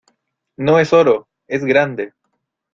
no es oro. es grande .